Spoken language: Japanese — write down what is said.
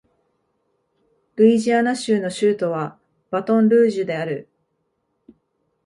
ルイジアナ州の州都はバトンルージュである